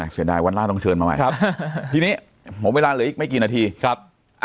แสดงวันล่าต้องเชิญมาใหม่ทีนี้เหลืออีกไม่กี่นาทีครับ๘